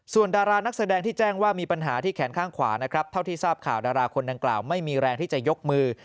ส่วนดารานักแสดงที่แจ้งว่ามีปัญหาที่แขนข้างขวานะครับเท่าที่ทราบข่าวดาราคนดังกล่าวไม่มีแรงที่จะยกมือ